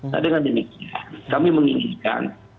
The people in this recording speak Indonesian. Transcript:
nah dengan demikian kami menginginkan